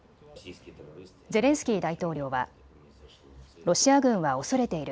ゼレンスキー大統領はロシア軍は恐れている。